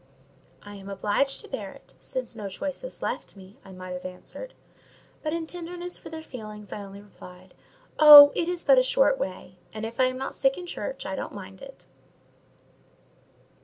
"I am obliged to bear it, since no choice is left me,"—I might have answered; but in tenderness for their feelings I only replied,—"Oh! it is but a short way, and if I am not sick in church, I don't mind it."